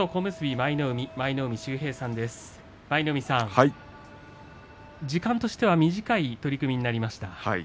舞の海さん、時間としては短い取組でした。